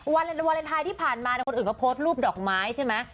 วาเลนไทยที่ผ่านมาคนอื่นก็โพสต์รูปดอกไม้ใช่ไหม